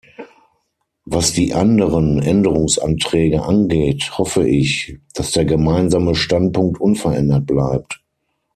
Was die anderen Änderungsanträge angeht, hoffe ich, dass der Gemeinsame Standpunkt unverändert bleibt.